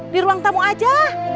di ruang tamu aja